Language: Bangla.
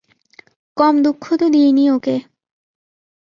কম দুঃখ তো দিই নি ওকে।